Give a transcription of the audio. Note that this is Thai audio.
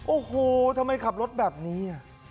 โอ้โหทำไมขับรถแบบนี้